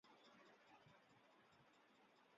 维古莱奥齐。